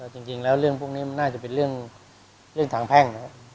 จริงแล้วเรื่องพวกนี้มันน่าจะเป็นเรื่องทางแพ่งนะครับ